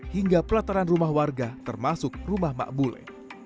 hingga pelataran rumah warga termasuk rumah makmule